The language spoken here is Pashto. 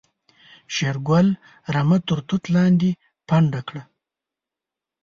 شېرګل رمه تر توت لاندې پنډه کړه.